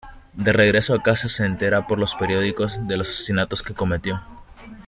De regreso a casa se entera por los periódicos de los asesinatos que cometió.